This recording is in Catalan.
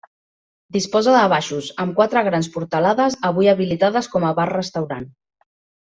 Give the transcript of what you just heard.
Disposa de baixos, amb quatre grans portalades, avui habilitades com a bar-restaurant.